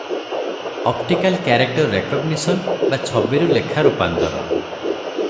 "Optical character recognition" ବା ଛବିରୁ ଲେଖା ରୂପାନ୍ତର ।